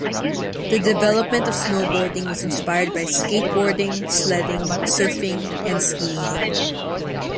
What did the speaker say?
The development of snowboarding was inspired by skateboarding, sledding, surfing and skiing.